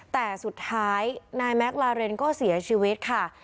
แต่สุดท้ายนายแม็กลาเรนก็เสียชีวิตค่ะ